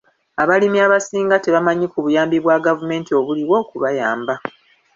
Abalimi abasinga tebamanyi ku buyambi bwa gavumenti obuliwo okubayamba.